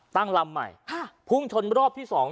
ลำใหม่พุ่งชนรอบที่สอง